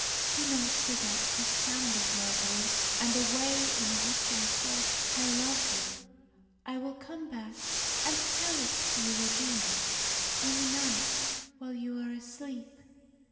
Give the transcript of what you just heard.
Do not forget the sound of my voice, and the way in which I said, 'I love you!' I will come back and tell it to you again, in the night while you are asleep.